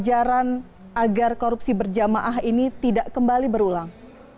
ajaran agar korupsi berjamaah ini tidak kembali berulang